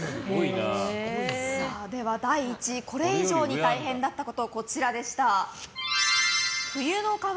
第１位、これ以上に大変だったこと、こちらでした。